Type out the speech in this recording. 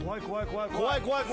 怖い怖い。